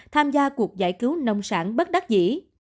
tham gia cuộc giải cứu nông sản bất đắc dĩ